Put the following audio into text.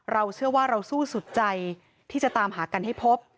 เราเชื่อว่าเราสู้สุดใจที่จะตามหากันให้พบ